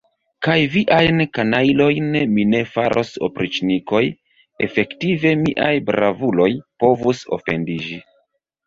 Kaj viajn kanajlojn mi ne faros opriĉnikoj, efektive miaj bravuloj povus ofendiĝi.